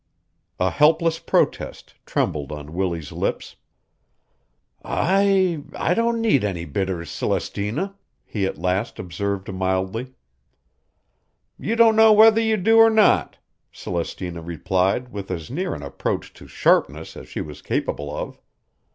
A helpless protest trembled on Willie's lips. "I I don't think I need any bitters, Celestina," he at last observed mildly. "You don't know whether you do or not," Celestina replied with as near an approach to sharpness as she was capable of.